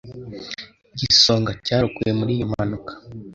Igisonga cyarokowe muri iyo mpanuka.